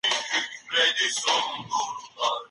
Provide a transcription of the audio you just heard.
که دا فابریکي نه وای، خلک به له لوږي مړه وای.